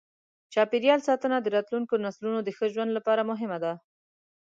چاپېریال ساتنه د راتلونکو نسلونو د ښه ژوند لپاره مهمه ده.